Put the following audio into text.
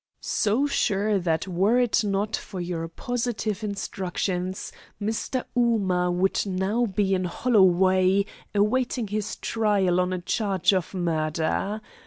"So sure that were it not for your positive instructions, Mr. Ooma would now be in Holloway, awaiting his trial on a charge of murder.